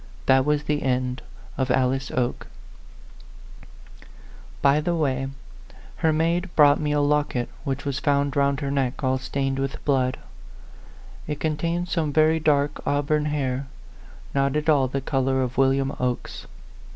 That was the end of Alice Oke. By the way, her maid brought me a locket which was found round her .neck, all stained with blood. It contained some very dark auburn hair, not at all the color of William Oke's.